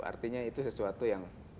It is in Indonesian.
artinya itu sesuatu yang